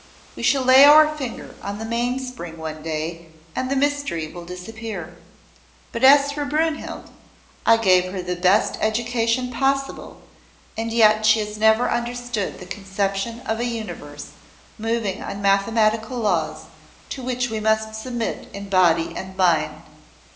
We shall lay our finger on the mainspring one day and the mystery will disappear. But as for Brynhild I gave her the best education possible and yet she has never understood the conception of a universe moving on mathematical laws to which we must submit in body and mind.